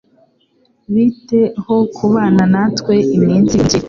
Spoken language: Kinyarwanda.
Bite ho kubana natwe iminsi mike?